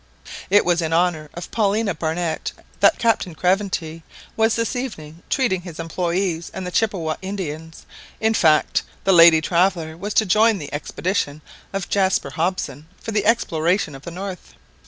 It was in honour of Paulina Barnett that Captain Craventy was this evening treating his employés and the Chippeway Indians. In fact, the lady traveller was to join the expedition of Jaspar Hobson for the exploration of the north.